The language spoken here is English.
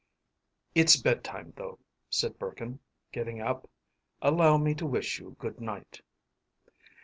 “It’s bed time, though,” said Burkin, getting up. “Allow me to wish you good night.